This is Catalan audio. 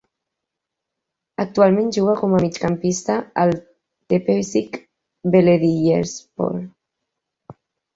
Actualment juga com a migcampista al Tepecik Belediyespor.